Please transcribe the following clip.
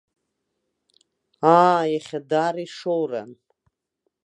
Аа, иахьа даара ишоуран!